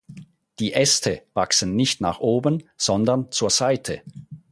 Die Äste wachsen nicht nach oben, sondern zur Seite.